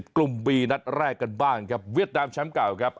๒๐๒๐กลุ่มวีนัดแรกกันบ้างครับเวียดดามช้ำเก่าครับ